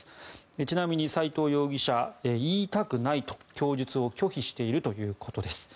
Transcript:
ちなみに斎藤容疑者言いたくないと供述を拒否しているということです。